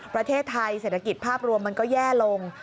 ประเทศไทยเศรษฐกิจภาพรวมมันก็แย่ลง